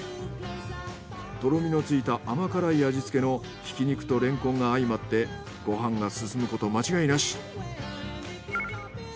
とろみのついた甘辛い味付けのひき肉とレンコンがあいまってご飯がすすむこと間違いなし。